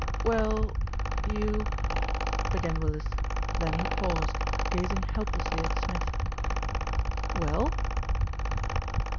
"Well you " began Willis, then he paused, gaz ing helplessly at Smith. "Well!"